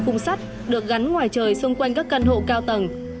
cái lồng sắt được gắn ngoài trời xung quanh các căn hộ cao tầng